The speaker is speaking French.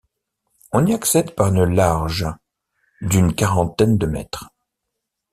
On y accède par une large d'une qurantaine de mètres.